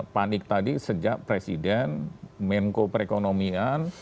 panik tadi sejak presiden menko perekonomian